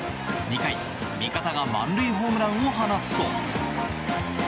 ２回、味方が満塁ホームランを放つと。